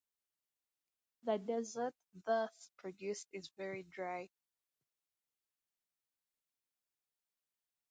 The dessert thus produced is very dry.